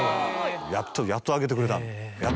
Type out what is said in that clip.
やっとやっと上げてくれた。